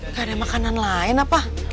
nggak ada makanan lain apa